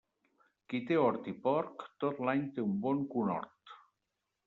Qui té hort i porc, tot l'any té un bon conhort.